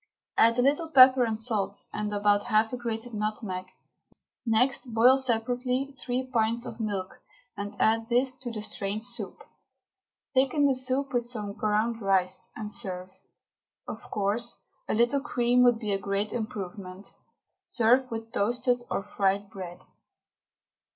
Add a little pepper and salt, and about half a grated nutmeg. Next boil separately three pints of milk, and add this to the strained soup. Thicken the soup with some ground rice, and serve. Of course, a little cream would be a great improvement. Serve with toasted or fried bread.